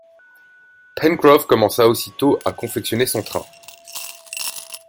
Pencroff commença aussitôt à confectionner son train.